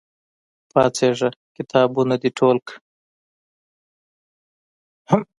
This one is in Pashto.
پاڅېږه! کتابونه د ټول کړه!